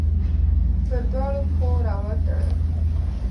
پر دواړو پښو راوتړل